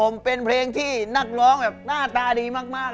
นี่เพลงพี่แซ็กใช่ไหมครับ